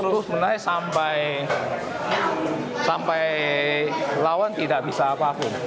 terus terus terus sampai lawan tidak bisa apapun